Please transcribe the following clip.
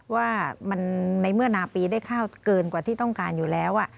ว่าในเมื่อนาปีได้ข้าวเกินกว่าที่ต้องการอยู่แล้ว